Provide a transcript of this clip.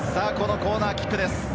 コーナーキックです。